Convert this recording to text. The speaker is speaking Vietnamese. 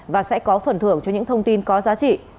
và sẽ có phần thưởng cho những thông tin có giá trị